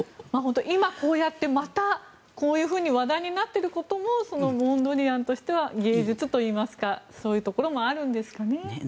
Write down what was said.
今、こうやってまたこういうふうに話題になっていることもモンドリアンとしては芸術といいますかそういうところもあるんですかね。